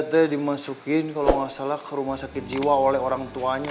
tadi masukin kalau masalah ke rumah sakit jiwa oleh orang tuanya